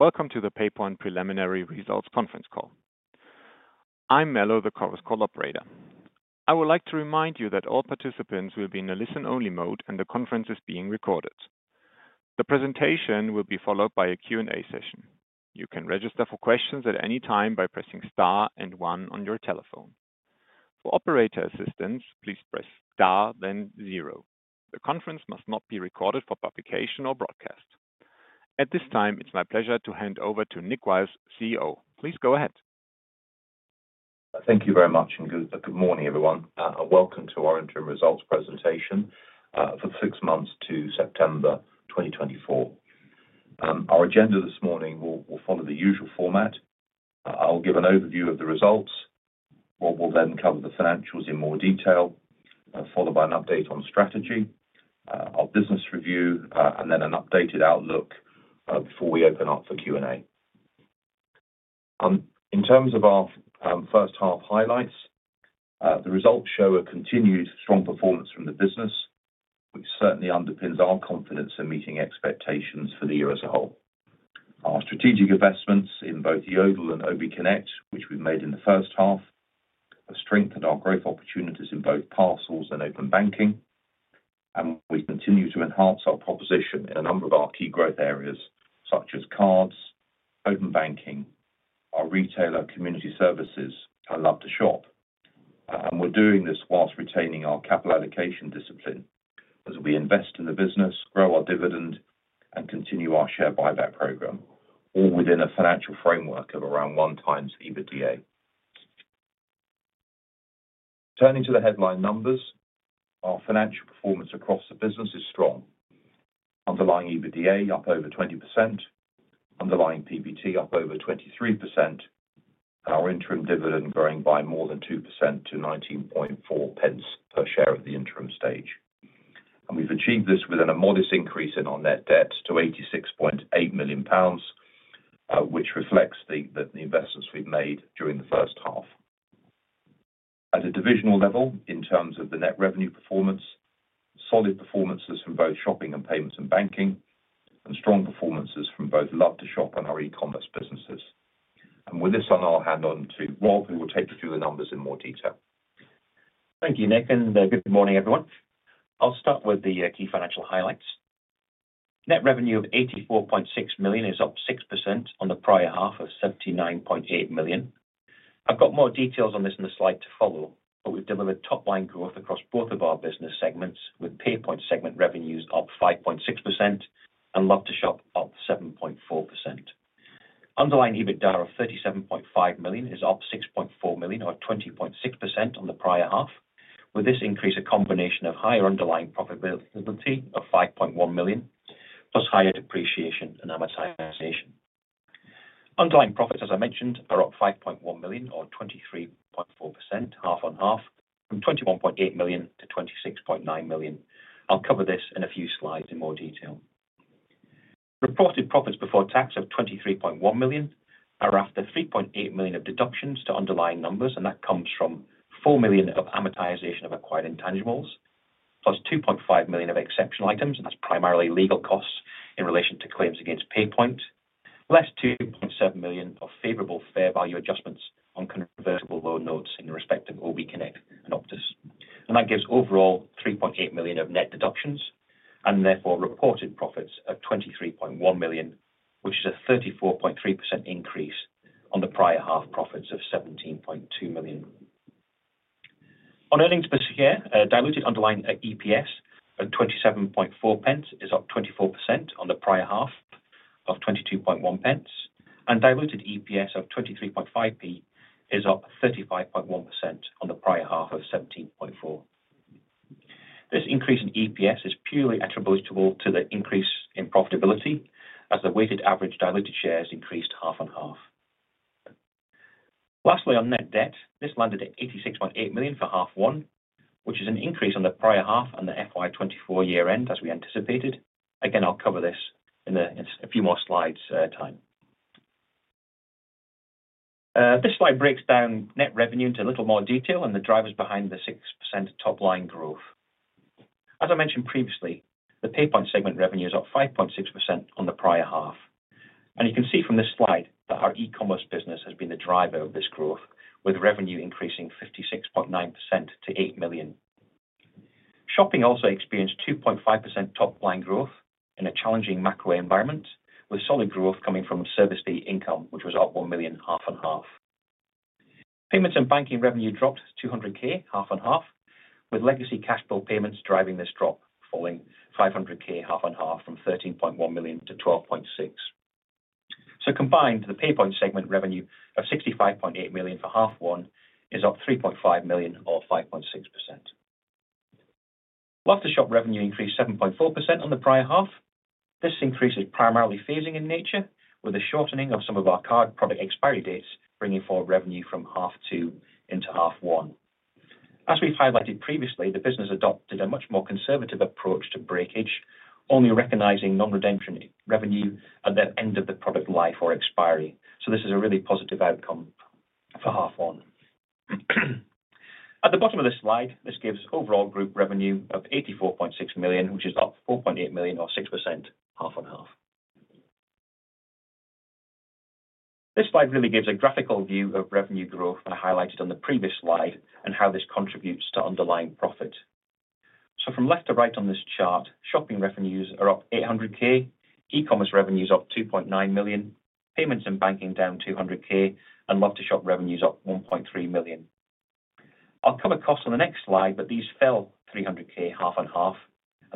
Welcome to the PayPoint preliminary results conference call. I'm Melo, the Chorus Call operator. I would like to remind you that all participants will be in a listen-only mode, and the conference is being recorded. The presentation will be followed by a Q&A session. You can register for questions at any time by pressing star and one on your telephone. For operator assistance, please press star, then zero. The conference must not be recorded for publication or broadcast. At this time, it's my pleasure to hand over to Nick Wiles, CEO. Please go ahead. Thank you very much and good morning, everyone. Welcome to our interim results presentation for six months to September 2024. Our agenda this morning will follow the usual format. I'll give an overview of the results. We'll then cover the financials in more detail, followed by an update on strategy, our business review, and then an updated outlook before we open up for Q&A. In terms of our first half highlights, the results show a continued strong performance from the business, which certainly underpins our confidence in meeting expectations for the year as a whole. Our strategic investments in both Yodel and obconnect, which we've made in the first half, have strengthened our growth opportunities in both parcels and open banking. And we continue to enhance our proposition in a number of our key growth areas, such as cards, open banking, our retailer community services, and Love2shop. We're doing this whilst retaining our capital allocation discipline, as we invest in the business, grow our dividend, and continue our share buyback program, all within a financial framework of around 1x EBITDA. Turning to the headline numbers, our financial performance across the business is strong. Underlying EBITDA up over 20%, underlying PBT up over 23%, and our interim dividend growing by more than 2% to 0.194 per share at the interim stage. We've achieved this within a modest increase in our net debt to 86.8 million pounds, which reflects the investments we've made during the first half. At a divisional level, in terms of the net revenue performance, solid performances from both shopping and payments and banking, and strong performances from both Love2shop and our e-commerce businesses. With this on, I'll hand over to Rob, who will take you through the numbers in more detail. Thank you, Nick, and good morning, everyone. I'll start with the key financial highlights. Net revenue of 84.6 million is up 6% on the prior half of 79.8 million. I've got more details on this in the slide to follow, but we've delivered top-line growth across both of our business segments, with PayPoint segment revenues up 5.6% and Love2shop up 7.4%. Underlying EBITDA of 37.5 million is up 6.4 million, or 20.6% on the prior half. With this increase, a combination of higher underlying profitability of 5.1 million, plus higher depreciation and amortization. Underlying profits, as I mentioned, are up 5.1 million, or 23.4%, half on half, from 21.8 million to 26.9 million. I'll cover this in a few slides in more detail. Reported profits before tax of 23.1 million are after 3.8 million of deductions to underlying numbers, and that comes from 4 million of amortization of acquired intangibles, plus 2.5 million of exceptional items, and that's primarily legal costs in relation to claims against PayPoint, less 2.7 million of favorable fair value adjustments on convertible loan notes in respect of obconnect and Optus, and that gives overall 3.8 million of net deductions, and therefore reported profits of 23.1 million, which is a 34.3% increase on the prior half profits of 17.2 million. On earnings per share, diluted underlying EPS of 27.4 pence is up 24% on the prior half of 22.1 pence, and diluted EPS of 23.5 pence is up 35.1% on the prior half of 17.4 pence. This increase in EPS is purely attributable to the increase in profitability, as the weighted average diluted shares increased half on half. Lastly, on net debt, this landed at 86.8 million for half one, which is an increase on the prior half and the FY 2024 year-end, as we anticipated. Again, I'll cover this in a few more slides' time. This slide breaks down net revenue into a little more detail and the drivers behind the 6% top-line growth. As I mentioned previously, the PayPoint segment revenue is up 5.6% on the prior half, and you can see from this slide that our e-commerce business has been the driver of this growth, with revenue increasing 56.9% to 8 million. Shopping also experienced 2.5% top-line growth in a challenging macro environment, with solid growth coming from service fee income, which was up one million, half on half. Payments and banking revenue dropped 200,000, half on half, with legacy cash bill payments driving this drop, falling 500,000, half on half, from 3.1 million to 12.6 million. So combined, the PayPoint segment revenue of 65.8 million for half one is up 3.5 million, or 5.6%. Love2shop revenue increased 7.4% on the prior half. This increase is primarily phasing in nature, with a shortening of some of our card product expiry dates bringing forward revenue from half two into half one. As we've highlighted previously, the business adopted a much more conservative approach to breakage, only recognizing non-redemption revenue at the end of the product life or expiry. So this is a really positive outcome for half one. At the bottom of this slide, this gives overall group revenue of 84.6 million, which is up 4.8 million, or 6%, half on half. This slide really gives a graphical view of revenue growth, highlighted on the previous slide, and how this contributes to underlying profit. From left to right on this chart, shopping revenues are up 800,000, e-commerce revenues up 2.9 million, payments and banking down 200,000, and Love2shop revenues up 1.3 million. I'll cover costs on the next slide, but these fell 300,000, half on half, and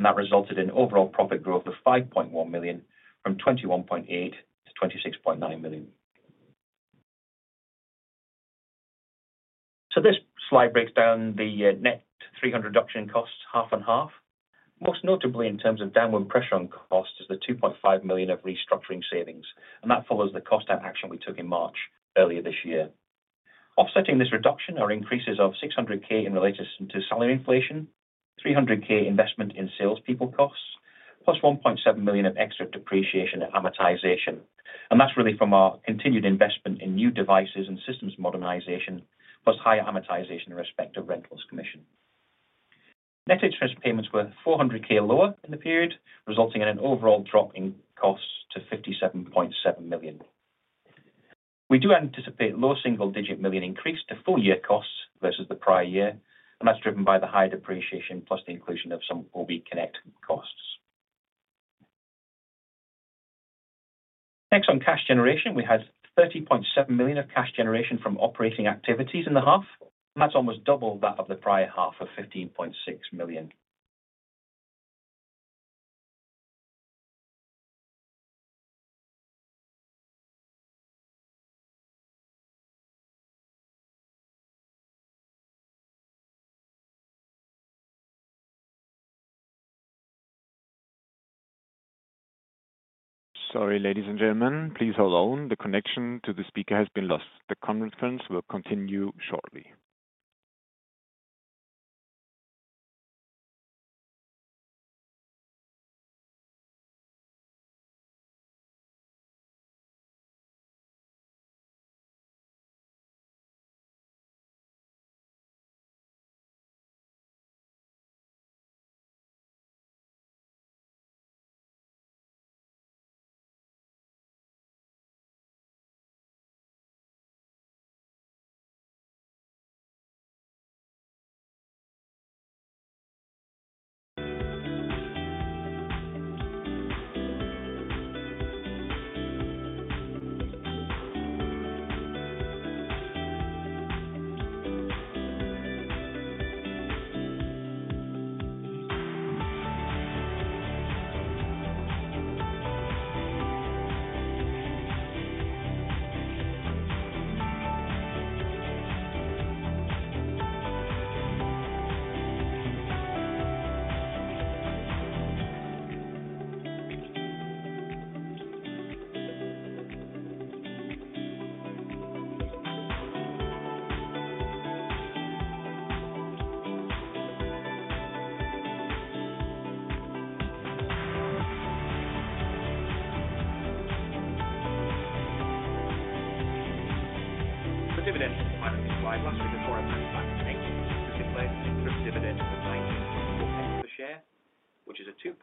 that resulted in overall profit growth of 5.1 million from 21.8 million to 26.9 million. This slide breaks down the net 300,000 reduction in costs, half on half. Most notably, in terms of downward pressure on costs, is the 2.5 million of restructuring savings. That follows the cost of action we took in March earlier this year. Offsetting this reduction are increases of 600,000 in relation to salary inflation, 300,000 investment in salespeople costs, plus 1.7 million of extra depreciation and amortization. That's really from our continued investment in new devices and systems modernization, plus higher amortization with respect to rentals commission. Net interest payments were 400,000 lower in the period, resulting in an overall drop in costs to 57.7 million. We do anticipate low single-digit million increase to full year costs versus the prior year, and that's driven by the high depreciation plus the inclusion of some obconnect costs. Next, on cash generation, we had 30.7 million of cash generation from operating activities in the half. And that's almost double that of the prior half of 15.6 million. Sorry, ladies and gentlemen, please hold on. The connection to the speaker has been lost. The conference will continue shortly.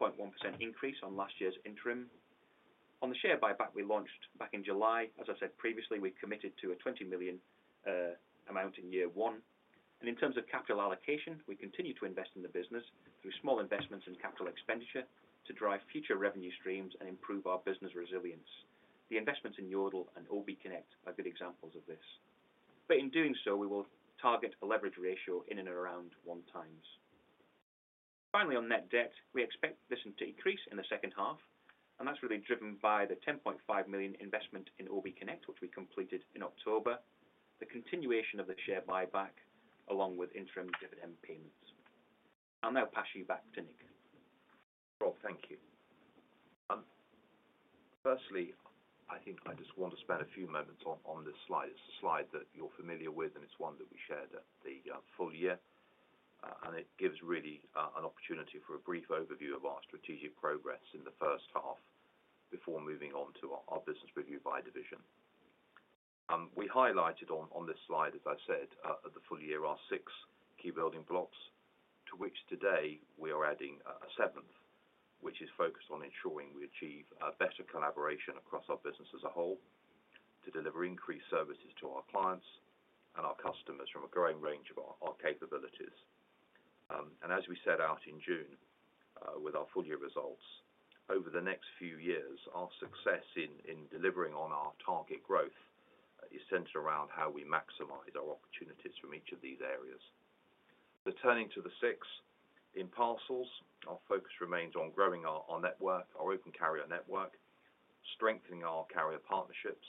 The dividend for financing slide last week was. This is the same interim dividend of GBP 0.194 per share, which is a 2.1% increase on last year's interim. On the share buyback we launched back in July, as I said previously, we committed to a 20 million amount in year one and in terms of capital allocation, we continue to invest in the business through small investments in capital expenditure to drive future revenue streams and improve our business resilience. The investments in Yodel and obconnect are good examples of this but in doing so, we will target a leverage ratio in and around one times. Finally, on net debt, we expect this to increase in the second half and that's really driven by the 10.5 million investment in obconnect, which we completed in October, the continuation of the share buyback, along with interim dividend payments. I'll now pass you back to Nick. Rob, thank you. Firstly, I think I just want to spend a few moments on this slide. It's a slide that you're familiar with, and it's one that we shared at the full year, and it gives really an opportunity for a brief overview of our strategic progress in the first half before moving on to our business review by division. We highlighted on this slide, as I said, at the full year, our six key building blocks, to which today we are adding a seventh, which is focused on ensuring we achieve a better collaboration across our business as a whole to deliver increased services to our clients and our customers from a growing range of our capabilities. As we set out in June with our full year results, over the next few years, our success in delivering on our target growth is centered around how we maximize our opportunities from each of these areas. Returning to the segment in parcels, our focus remains on growing our network, our open carrier network, strengthening our carrier partnerships,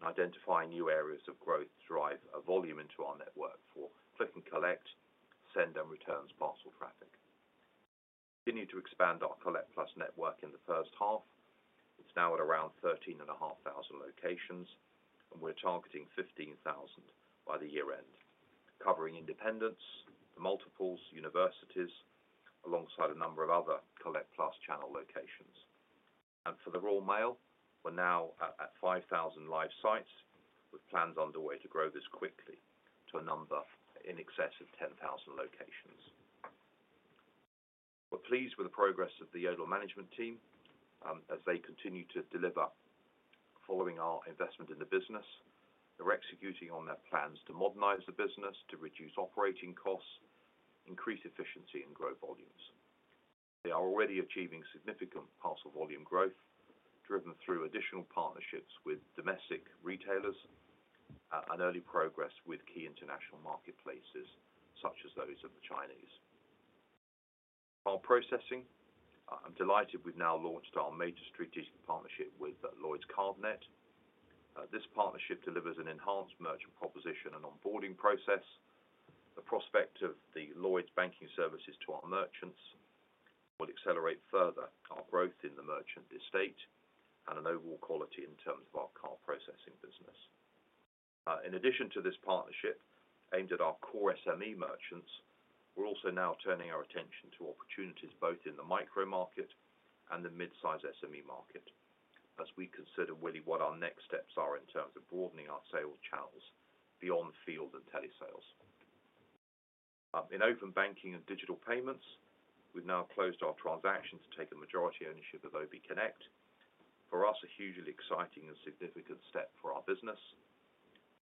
and identifying new areas of growth to drive volume into our network for click and collect, send, and returns parcel traffic. We continue to expand our Collect+ network in the first half. It's now at around 13,500 locations, and we're targeting 15,000 by the year-end, covering independents, the multiples, universities, alongside a number of other Collect+ channel locations. For the Royal Mail, we're now at 5,000 live sites, with plans underway to grow this quickly to a number in excess of 10,000 locations. We're pleased with the progress of the Yodel management team as they continue to deliver following our investment in the business. They're executing on their plans to modernize the business, to reduce operating costs, increase efficiency, and grow volumes. They are already achieving significant parcel volume growth driven through additional partnerships with domestic retailers and early progress with key international marketplaces such as those of the Chinese. While processing, I'm delighted we've now launched our major strategic partnership with Lloyds Cardnet. This partnership delivers an enhanced merchant proposition and onboarding process. The prospect of the Lloyds banking services to our merchants will accelerate further our growth in the merchant estate and an overall quality in terms of our card processing business. In addition to this partnership aimed at our core SME merchants, we're also now turning our attention to opportunities both in the micro market and the mid-size SME market as we consider really what our next steps are in terms of broadening our sales channels beyond field and telesales. In open banking and digital payments, we've now closed our transactions to take a majority ownership of obconnect. For us, a hugely exciting and significant step for our business.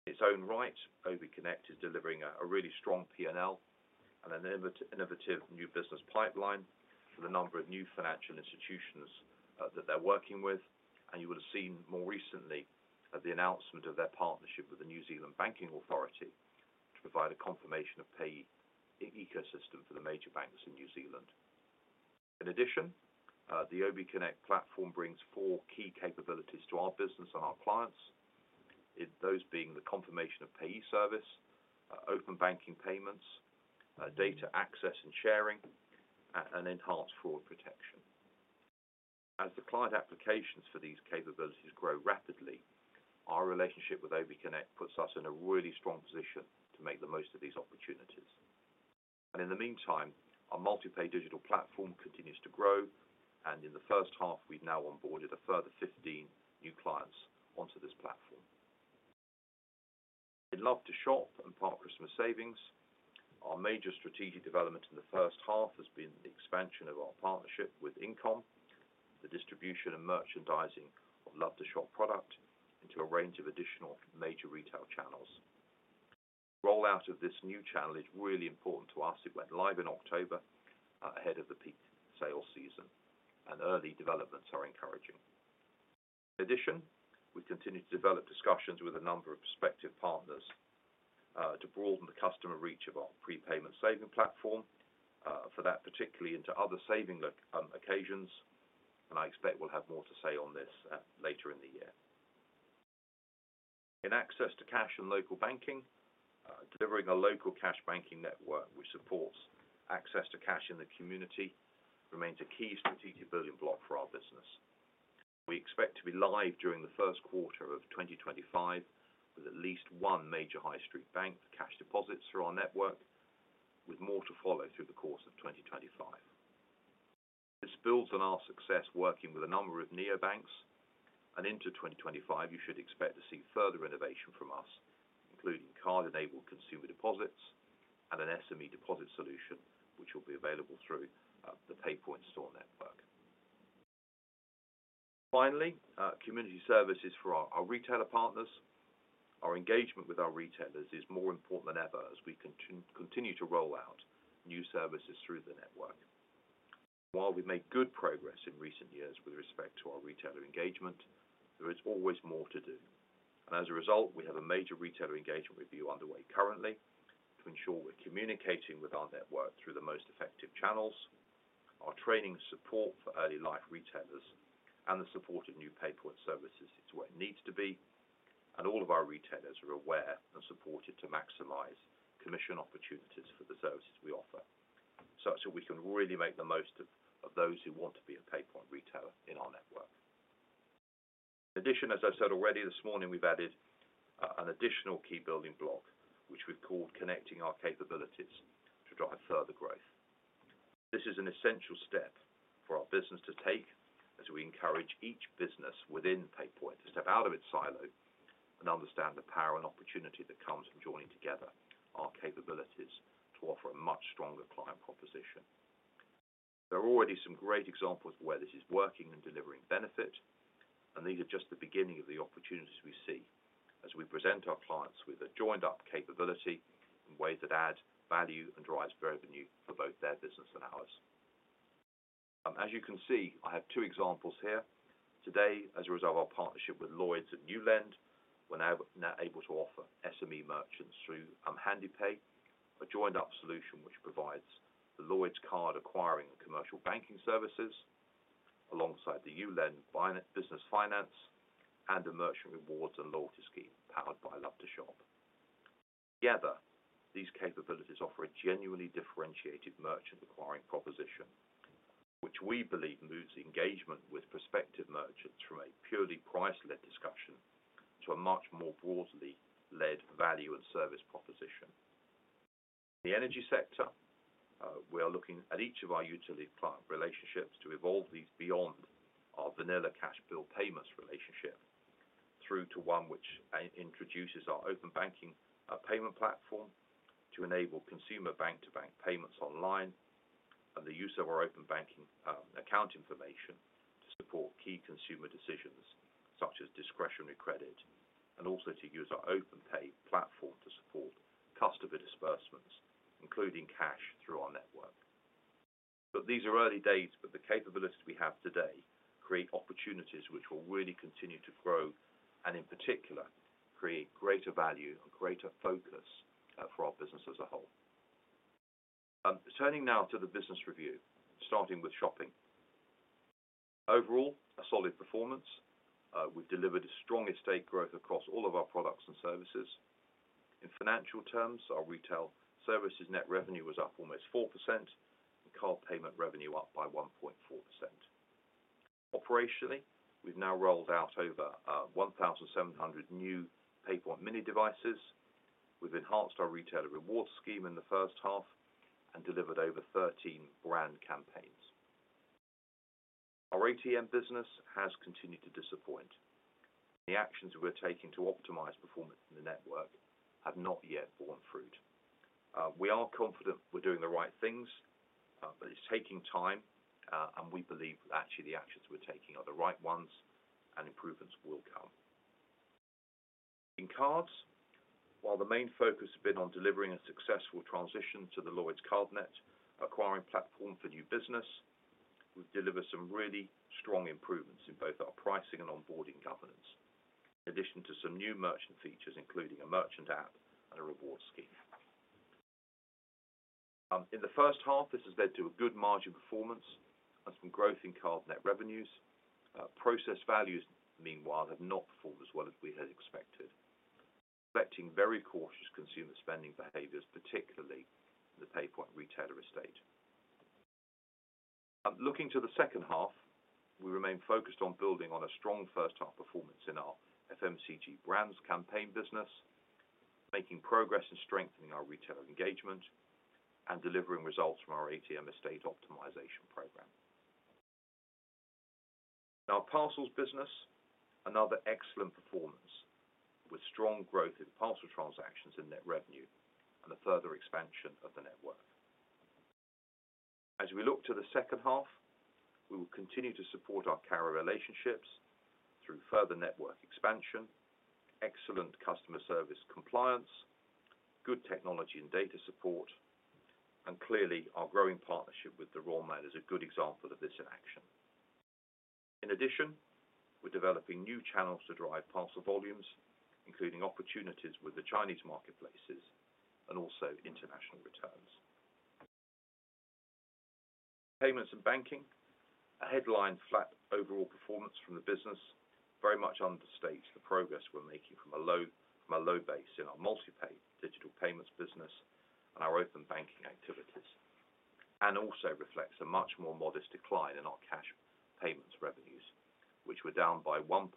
In its own right, obconnect is delivering a really strong P&L and an innovative new business pipeline for the number of new financial institutions that they're working with. And you would have seen more recently the announcement of their partnership with New Zealand banking authority to provide a Confirmation of Payee ecosystem for the major banks in New Zealand. In addition, the obconnect platform brings four key capabilities to our business and our clients, those being the Confirmation of Payee service, Open Banking payments, data access and sharing, and enhanced fraud protection. As the client applications for these capabilities grow rapidly, our relationship with obconnect puts us in a really strong position to make the most of these opportunities. And in the meantime, our MultiPay digital platform continues to grow. And in the first half, we've now onboarded a further 15 new clients onto this platform. In Love2shop and Park Christmas Savings, our major strategic development in the first half has been the expansion of our partnership with InComm, the distribution and merchandising of Love2shop product into a range of additional major retail channels. The rollout of this new channel is really important to us. It went live in October ahead of the peak sales season, and early developments are encouraging. In addition, we continue to develop discussions with a number of prospective partners to broaden the customer reach of our prepayment saving platform for that, particularly into other saving occasions. And I expect we'll have more to say on this later in the year. In access to cash and local banking, delivering a local cash banking network which supports access to cash in the community remains a key strategic building block for our business. We expect to be live during the first quarter of 2025 with at least one major high street bank for cash deposits through our network, with more to follow through the course of 2025. This builds on our success working with a number of neobanks. Into 2025, you should expect to see further innovation from us, including card-enabled consumer deposits and an SME deposit solution, which will be available through the PayPoint store network. Finally, community services for our retailer partners. Our engagement with our retailers is more important than ever as we continue to roll out new services through the network. While we've made good progress in recent years with respect to our retailer engagement, there is always more to do. As a result, we have a major retailer engagement review underway currently to ensure we're communicating with our network through the most effective channels. Our training and support for early life retailers and the support of new PayPoint services is where it needs to be. And all of our retailers are aware and supported to maximize commission opportunities for the services we offer, such that we can really make the most of those who want to be a PayPoint retailer in our network. In addition, as I've said already this morning, we've added an additional key building block, which we've called connecting our capabilities to drive further growth. This is an essential step for our business to take as we encourage each business within PayPoint to step out of its silo and understand the power and opportunity that comes from joining together our capabilities to offer a much stronger client proposition. There are already some great examples of where this is working and delivering benefit. These are just the beginning of the opportunities we see as we present our clients with a joined-up capability in ways that add value and drives revenue for both their business and ours. As you can see, I have two examples here. Today, as a result of our partnership with Lloyds and YouLend, we're now able to offer SME merchants through Handepay, a joined-up solution which provides the Lloyds card acquiring commercial banking services alongside the YouLend Business Finance and the Merchant Rewards and Loyalty Scheme powered by Love2shop. Together, these capabilities offer a genuinely differentiated merchant acquiring proposition, which we believe moves the engagement with prospective merchants from a purely price-led discussion to a much more broadly led value and service proposition. In the energy sector, we are looking at each of our utility client relationships to evolve these beyond our vanilla cash bill payments relationship through to one which introduces our Open Banking payment platform to enable consumer bank-to-bank payments online and the use of our Open Banking account information to support key consumer decisions such as discretionary credit and also to use our OpenPay platform to support customer disbursements, including cash through our network. But these are early days, but the capabilities we have today create opportunities which will really continue to grow and, in particular, create greater value and greater focus for our business as a whole. Turning now to the business review, starting with shopping. Overall, a solid performance. We've delivered strong estate growth across all of our products and services. In financial terms, our retail services net revenue was up almost 4% and card payment revenue up by 1.4%. Operationally, we've now rolled out over 1,700 new PayPoint Mini devices. We've enhanced our retailer rewards scheme in the first half and delivered over 13 brand campaigns. Our ATM business has continued to disappoint. The actions we're taking to optimize performance in the network have not yet borne fruit. We are confident we're doing the right things, but it's taking time, and we believe that actually the actions we're taking are the right ones and improvements will come. In cards, while the main focus has been on delivering a successful transition to the Lloyds Cardnet acquiring platform for new business, we've delivered some really strong improvements in both our pricing and onboarding governance, in addition to some new merchant features, including a merchant app and a rewards scheme. In the first half, this has led to a good margin performance and some growth in Cardnet revenues. Processed values, meanwhile, have not performed as well as we had expected, reflecting very cautious consumer spending behaviors, particularly in the PayPoint retailer estate. Looking to the second half, we remain focused on building on a strong first-half performance in our FMCG brands campaign business, making progress in strengthening our retailer engagement and delivering results from our ATM estate optimization program. In our parcels business, another excellent performance with strong growth in parcel transactions and net revenue and the further expansion of the network. As we look to the second half, we will continue to support our carrier relationships through further network expansion, excellent customer service compliance, good technology and data support, and clearly, our growing partnership with the Royal Mail is a good example of this in action. In addition, we're developing new channels to drive parcel volumes, including opportunities with the Chinese marketplaces and also international returns. Payments and banking, a headline flat overall performance from the business very much understates the progress we're making from a low base in our MultiPay digital payments business and our open banking activities, and also reflects a much more modest decline in our cash payments revenues, which were down by 1.3%,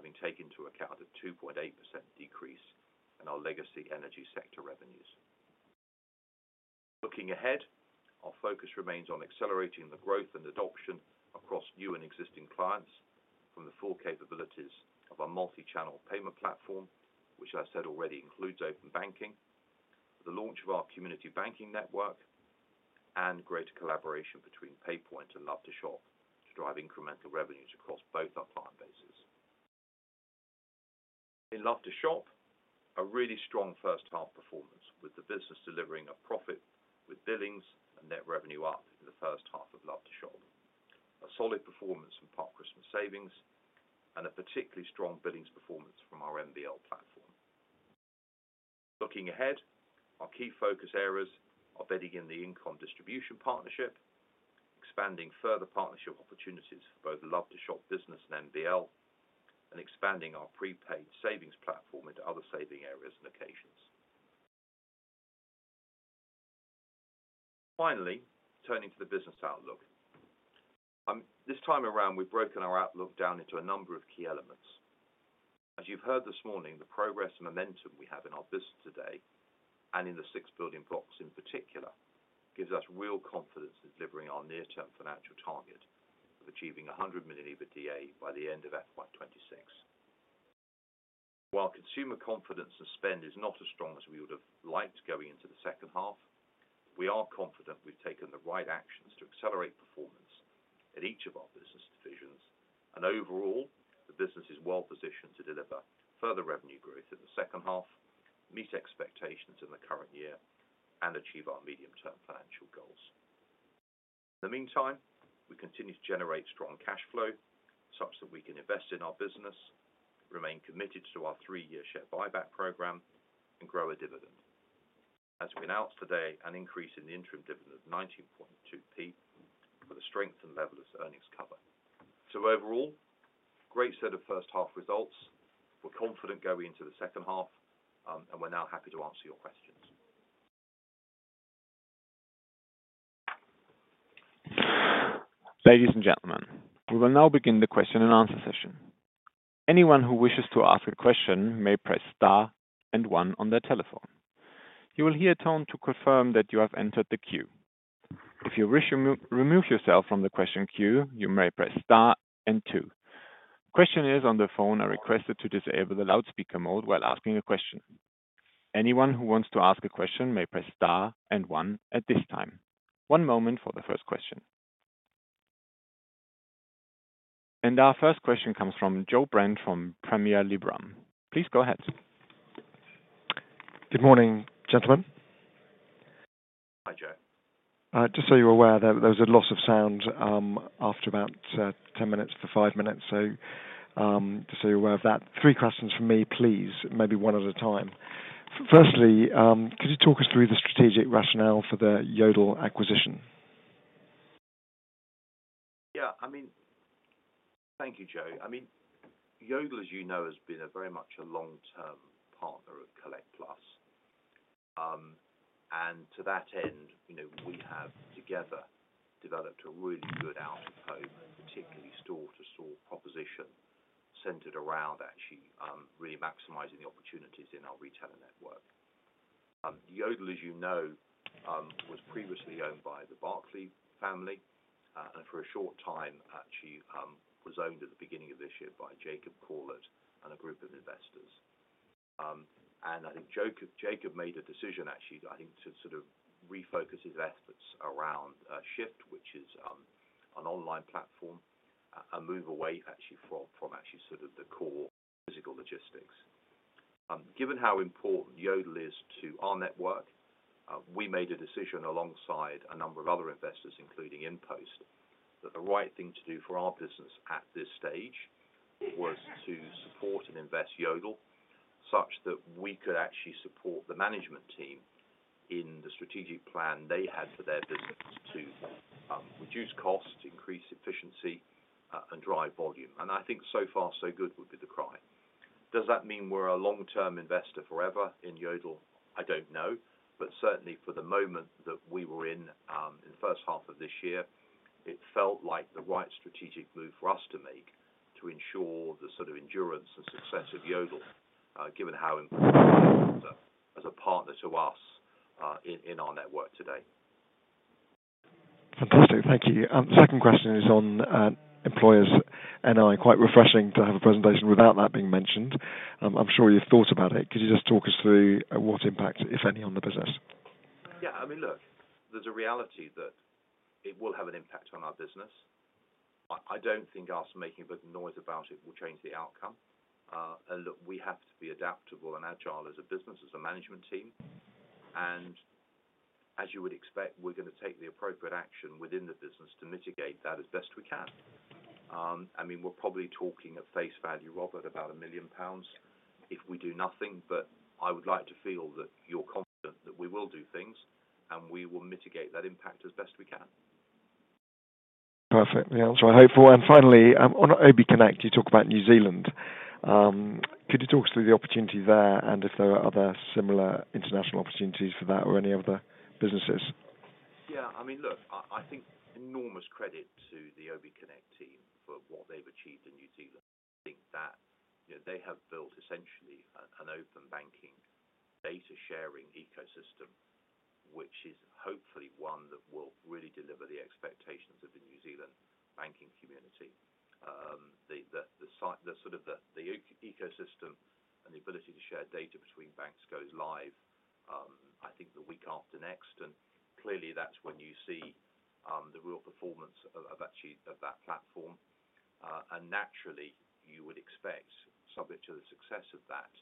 having taken into account a 2.8% decrease in our legacy energy sector revenues. Looking ahead, our focus remains on accelerating the growth and adoption across new and existing clients from the full capabilities of our multi-channel payment platform, which, as I said already, includes open banking, the launch of our community banking network, and greater collaboration between PayPoint and Love2shop to drive incremental revenues across both our client bases. In Love2shop, a really strong first-half performance with the business delivering a profit with billings and net revenue up in the first half of Love2shop, a solid performance from Park Christmas Savings, and a particularly strong billings performance from our MBL platform. Looking ahead, our key focus areas are bedding in the InComm distribution partnership, expanding further partnership opportunities for both Love2shop business and MBL, and expanding our prepaid savings platform into other saving areas and occasions. Finally, turning to the business outlook, this time around, we've broken our outlook down into a number of key elements. As you've heard this morning, the progress and momentum we have in our business today and in the six building blocks in particular gives us real confidence in delivering our near-term financial target of achieving 100 million EBITDA by the end of FY 2026. While consumer confidence and spend is not as strong as we would have liked going into the second half, we are confident we've taken the right actions to accelerate performance at each of our business divisions. And overall, the business is well positioned to deliver further revenue growth in the second half, meet expectations in the current year, and achieve our medium-term financial goals. In the meantime, we continue to generate strong cash flow such that we can invest in our business, remain committed to our three-year share buyback program, and grow a dividend. As we announced today, an increase in the interim dividend of 19.2 pence for the strength and level of earnings cover. So overall, great set of first-half results. We're confident going into the second half, and we're now happy to answer your questions. Ladies and gentlemen, we will now begin the question and answer session. Anyone who wishes to ask a question may press star and one on their telephone. You will hear a tone to confirm that you have entered the queue. If you wish to remove yourself from the question queue, you may press star and two. Questioners on the phone are requested to disable the loudspeaker mode while asking a question. Anyone who wants to ask a question may press star and one at this time. One moment for the first question. Our first question comes from Joe Brent from Panmure Liberum. Please go ahead. Good morning, gentlemen. Hi, Joe. Just so you're aware, there was a loss of sound after about 10 minutes for five minutes. So just so you're aware of that. Three questions from me, please, maybe one at a time. Firstly, could you talk us through the strategic rationale for the Yodel acquisition? Yeah. I mean, thank you, Joe. I mean, Yodel, as you know, has been very much a long-term partner of Collect+. And to that end, we have together developed a really good out-of-home, particularly store-to-store proposition centered around actually really maximizing the opportunities in our retailer network. Yodel, as you know, was previously owned by the Barclay family, and for a short time, actually was owned at the beginning of this year by Jacob Corlett and a group of investors. And I think Jacob made a decision, actually, I think, to sort of refocus his efforts around Shift, which is an online platform, a move away actually from actually sort of the core physical logistics. Given how important Yodel is to our network, we made a decision alongside a number of other investors, including InPost, that the right thing to do for our business at this stage was to support and invest Yodel such that we could actually support the management team in the strategic plan they had for their business to reduce costs, increase efficiency, and drive volume. And I think so far, so good would be the cry. Does that mean we're a long-term investor forever in Yodel? I don't know. But certainly, for the moment that we were in the first half of this year, it felt like the right strategic move for us to make to ensure the sort of endurance and success of Yodel, given how important Yodel is as a partner to us in our network today. Fantastic. Thank you. Second question is on employers. Quite refreshing to have a presentation without that being mentioned. I'm sure you've thought about it. Could you just talk us through what impact, if any, on the business? Yeah. I mean, look, there's a reality that it will have an impact on our business. I don't think us making a bit of noise about it will change the outcome. Look, we have to be adaptable and agile as a business, as a management team. As you would expect, we're going to take the appropriate action within the business to mitigate that as best we can. I mean, we're probably talking at face value, Robert, about 1 million pounds if we do nothing. But I would like to feel that you're confident that we will do things, and we will mitigate that impact as best we can. Perfect. Yeah. I hope for. Finally, on obconnect, you talk about New Zealand. Could you talk us through the opportunity there and if there are other similar international opportunities for that or any other businesses? Yeah. I mean, look, I think enormous credit to the obconnect team for what they've achieved in New Zealand. I think that they have built essentially an open banking data sharing ecosystem, which is hopefully one that will really deliver the expectations of the New Zealand banking community. The sort of ecosystem and the ability to share data between banks goes live, I think, the week after next. Clearly, that's when you see the real performance of actually that platform. And naturally, you would expect, subject to the success of that,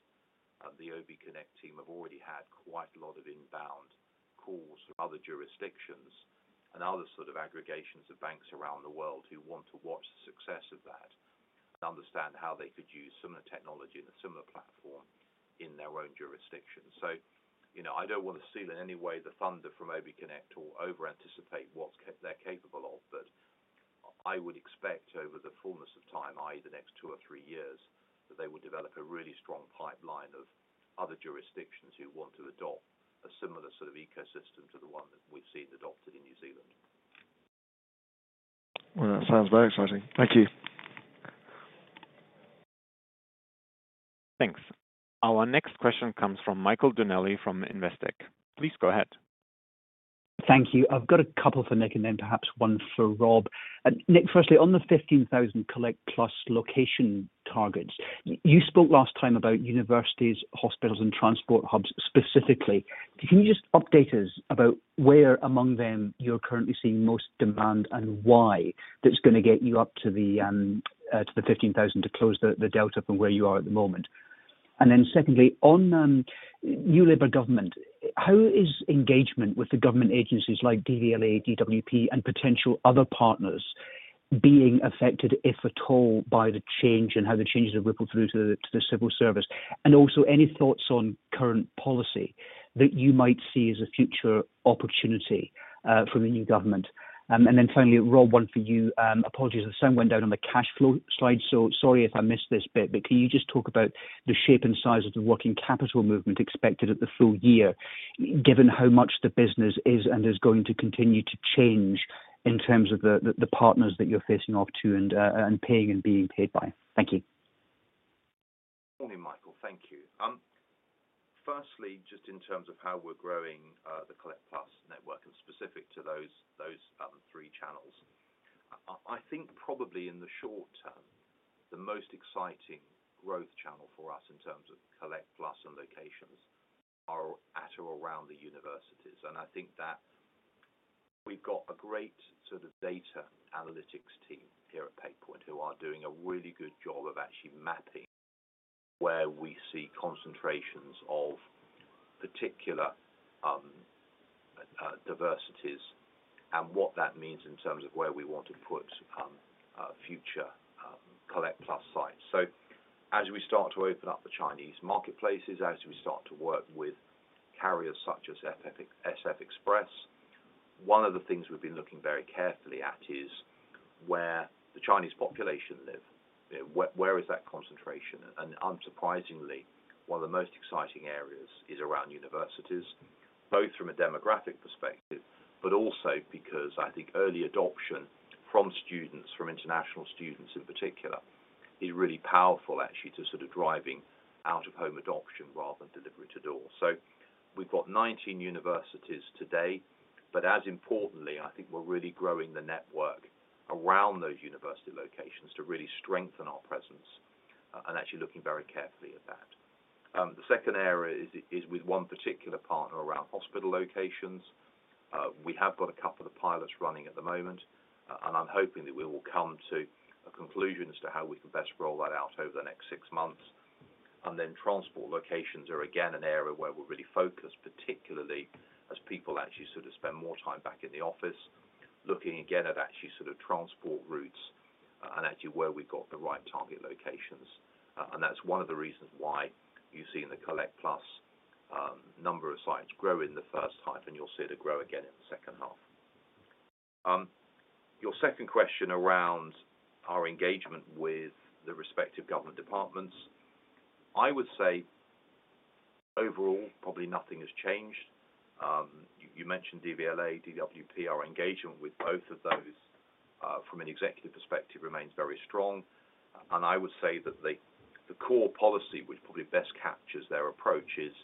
the obconnect team have already had quite a lot of inbound calls from other jurisdictions and other sort of aggregations of banks around the world who want to watch the success of that and understand how they could use similar technology and a similar platform in their own jurisdiction. So I don't want to steal in any way the thunder from obconnect or over-anticipate what they're capable of. But I would expect over the fullness of time, i.e., the next two or three years, that they will develop a really strong pipeline of other jurisdictions who want to adopt a similar sort of ecosystem to the one that we've seen adopted in New Zealand. Well, that sounds very exciting. Thank you. Thanks. Our next question comes from Michael Donnelly from Investec. Please go ahead. Thank you. I've got a couple for Nick and then perhaps one for Rob. Nick, firstly, on the 15,000 Collect+ location targets, you spoke last time about universities, hospitals, and transport hubs specifically. Can you just update us about where among them you're currently seeing most demand and why that's going to get you up to the 15,000 to close the delta from where you are at the moment? And then secondly, on new labor government, how is engagement with the government agencies like DVLA, DWP, and potential other partners being affected, if at all, by the change and how the changes have rippled through to the civil service? And also, any thoughts on current policy that you might see as a future opportunity from the new government? And then finally, Rob, one for you. Apologies. The sun went down on the cash flow slide. So sorry if I missed this bit. Can you just talk about the shape and size of the working capital movement expected at the full year, given how much the business is and is going to continue to change in terms of the partners that you're facing off to and paying and being paid by? Thank you. Morning, Michael. Thank you. Firstly, just in terms of how we're growing the Collect+ network and specific to those three channels, I think probably in the short term, the most exciting growth channel for us in terms of Collect+ and locations are at or around the universities. I think that we've got a great sort of data analytics team here at PayPoint who are doing a really good job of actually mapping where we see concentrations of particular demographics and what that means in terms of where we want to put future Collect+ sites. So as we start to open up the Chinese marketplaces, as we start to work with carriers such as SF Express, one of the things we've been looking very carefully at is where the Chinese population live. Where is that concentration? And unsurprisingly, one of the most exciting areas is around universities, both from a demographic perspective, but also because I think early adoption from students, from international students in particular, is really powerful actually to sort of driving out-of-home adoption rather than delivery to door. So we've got 19 universities today. But as importantly, I think we're really growing the network around those university locations to really strengthen our presence and actually looking very carefully at that. The second area is with one particular partner around hospital locations. We have got a couple of pilots running at the moment. And I'm hoping that we will come to a conclusion as to how we can best roll that out over the next six months. And then transport locations are again an area where we're really focused, particularly as people actually sort of spend more time back in the office, looking again at actually sort of transport routes and actually where we've got the right target locations. And that's one of the reasons why you've seen the Collect+ number of sites grow in the first half, and you'll see it grow again in the second half. Your second question around our engagement with the respective government departments, I would say overall, probably nothing has changed. You mentioned DVLA, DWP. Our engagement with both of those from an executive perspective remains very strong. I would say that the core policy, which probably best captures their approach, is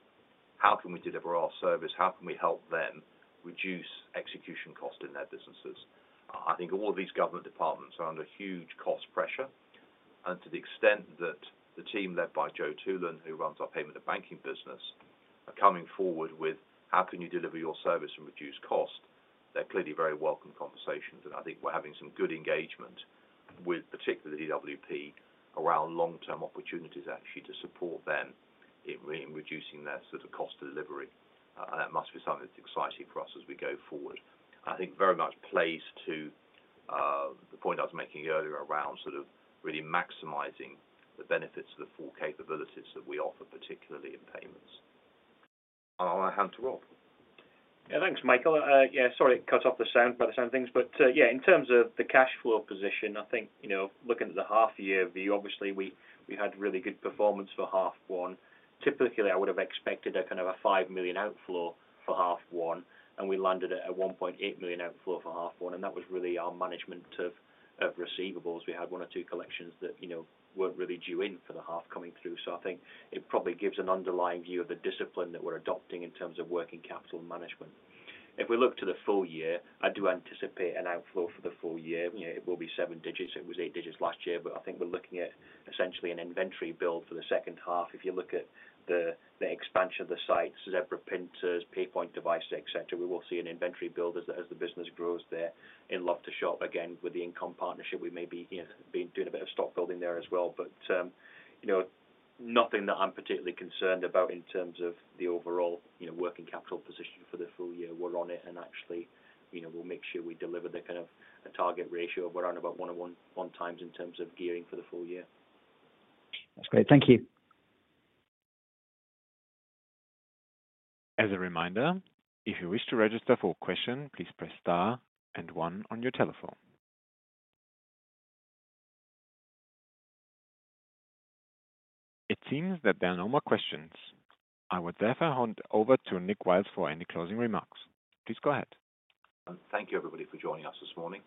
how can we deliver our service? How can we help them reduce execution costs in their businesses? I think all of these government departments are under huge cost pressure. To the extent that the team led by Jo Toolan, who runs our payment and banking business, are coming forward with how can you deliver your service and reduce cost, they're clearly very welcome conversations. I think we're having some good engagement with particularly DWP around long-term opportunities actually to support them in reducing their sort of cost delivery. That must be something that's exciting for us as we go forward. I think very much plays to the point I was making earlier around sort of really maximizing the benefits of the four capabilities that we offer, particularly in payments. I'll hand to Rob. Yeah. Thanks, Michael. Yeah. Sorry it cut off the sound by the sound things. But yeah, in terms of the cash flow position, I think looking at the half-year view, obviously, we had really good performance for half one. Typically, I would have expected a kind of a 5 million outflow for half one. And we landed at a 1.8 million outflow for half one. And that was really our management of receivables. We had one or two collections that weren't really due in for the half coming through. So I think it probably gives an underlying view of the discipline that we're adopting in terms of working capital management. If we look to the full year, I do anticipate an outflow for the full year. It will be seven digits. It was eight digits last year. But I think we're looking at essentially an inventory build for the second half. If you look at the expansion of the sites, Zebra printers, PayPoint devices, etc., we will see an inventory build as the business grows there in Love2shop again with the InComm partnership. We may be doing a bit of stock building there as well. But nothing that I'm particularly concerned about in terms of the overall working capital position for the full year. We're on it. And actually, we'll make sure we deliver the kind of target ratio of around about one-to-one times in terms of gearing for the full year. That's great. Thank you. As a reminder, if you wish to register for a question, please press star and one on your telephone. It seems that there are no more questions. I would therefore hand over to Nick Wiles for any closing remarks. Please go ahead. Thank you, everybody, for joining us this morning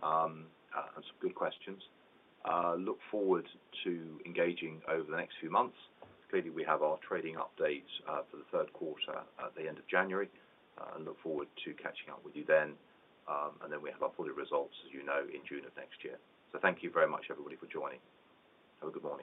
and some good questions. Look forward to engaging over the next few months. Clearly, we have our trading updates for the third quarter at the end of January and look forward to catching up with you then and then we have our full results, as you know, in June of next year, so thank you very much, everybody, for joining. Have a good morning.